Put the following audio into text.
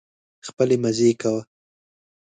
خپلې مزې کوه.